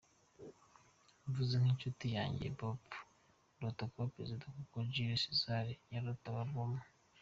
Mvuze nk’inshuti yanjye Booba, ndota kuba Perezida nk’uko Jules César yarotaga Roma”.